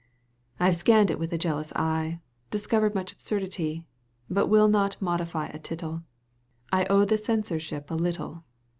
I've scanned it with a jealous eye, Discovered much absurdity. But will not modify a tittle — I owe the censorship a little.